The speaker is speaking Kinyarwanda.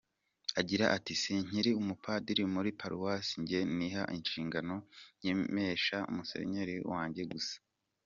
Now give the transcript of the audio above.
Agira ati “Si nkiri umupadiri muri paruwasi, njye niha inshingano nkamenyesha Musenyeri wanjye gusa.